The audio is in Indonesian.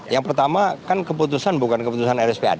yang pertama kan keputusan bukan keputusan rspad